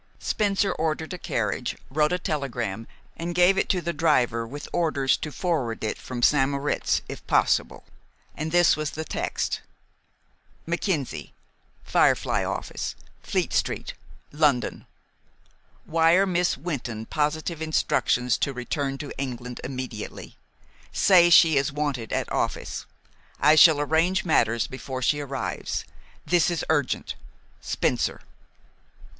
Spencer ordered a carriage, wrote a telegram, and gave it to the driver, with orders to forward it from St. Moritz if possible. And this was the text: "MACKENZIE, 'FIREFLY' OFFICE, FLEET ST., LONDON. Wire Miss Wynton positive instructions to return to England immediately. Say she is wanted at office. I shall arrange matters before she arrives. This is urgent. SPENCER."